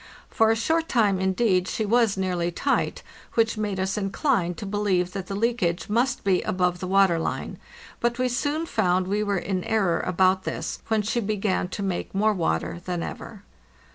Fora short time, indeed, she was nearly tight, which made us inclined to believe that the leakage must be above the water line, but we soon found we were in error about this, when she began to make more water than ever.